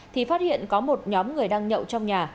thì phát hiện có một nhóm người đang nhậu trong nhà